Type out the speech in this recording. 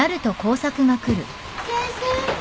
先生？